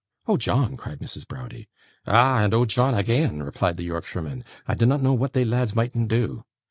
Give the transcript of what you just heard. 'Oh, John!' cried Mrs. Browdie. 'Ah! and Oh, John agean,' replied the Yorkshireman. 'I dinnot know what they lads mightn't do.